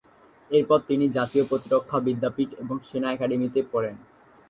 এরপর তিনি জাতীয় প্রতিরক্ষা বিদ্যাপীঠ এবং সেনা একাডেমীতে পড়েন।